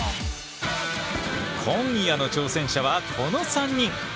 今夜の挑戦者はこの３人！